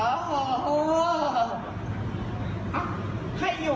อ้าวใครอยู่ผมก็อยู่ค่ะ